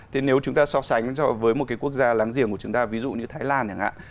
thế nếu chúng ta so sánh với một cái quốc gia láng giềng của chúng ta ví dụ như thái lan chẳng hạn